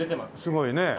すごいね。